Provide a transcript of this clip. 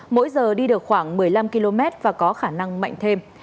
mỗi giờ đi được khoảng một mươi năm km và có khả năng mạnh thêm